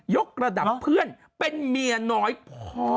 กระดับเพื่อนเป็นเมียน้อยพ่อ